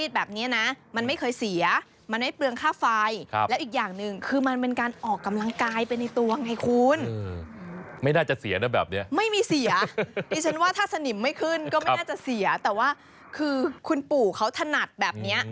แต่ว่าคือคุณปู่เขาถนัดแบบนี้